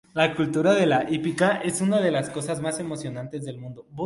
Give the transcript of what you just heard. La cultura de la hípica es una de las cosas más emocionantes del mundo.